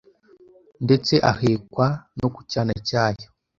Ndetse ahekwa no ku cyana cyayo.